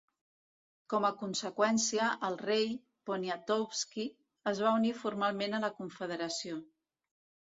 Com a conseqüència, el rei, Poniatowski, es va unir formalment a la confederació.